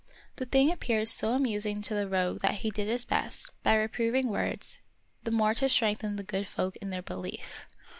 The thing appeared so amusing to the rogue that he did his best, by reproving words, the more to strengthen the good folk in their belief.